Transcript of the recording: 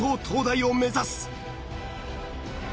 東大を目指す！